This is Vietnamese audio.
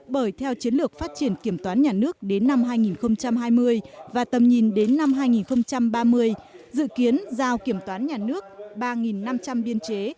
bởi theo chiến lược phát triển kiểm toán nhà nước đến năm hai nghìn hai mươi và tầm nhìn đến năm hai nghìn ba mươi dự kiến giao kiểm toán nhà nước ba năm trăm linh biên chế